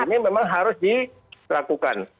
ini memang harus dilakukan